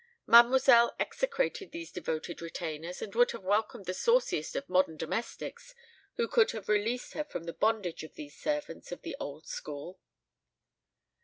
Mademoiselle execrated these devoted retainers, and would have welcomed the sauciest of modern domestics who would have released her from the bondage of these servants of the old school.